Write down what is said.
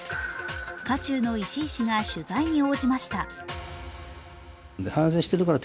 渦中の石井氏が取材に応じました。